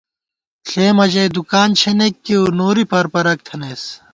ݪېمَہ ژَئی دُکان چھېنېک کېئیؤ نوری پرپرَک تھنَئیس